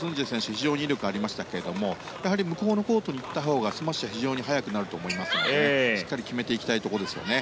非常に威力がありましたけどもやはり向こうのコートに行ったほうがスマッシュが速くなると思いますのでしっかり決めていきたいところですよね。